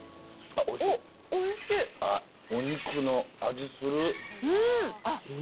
あっ、お肉の味する。